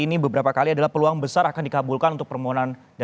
pingin meminta agar saya mengucapkan kepada anda poin anggun dan penyembusannya